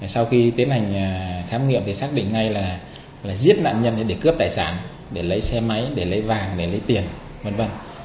sau khi tiến hành khám nghiệm thì xác định ngay là giết nạn nhân để cướp tài sản để lấy xe máy để lấy vàng để lấy tiền v v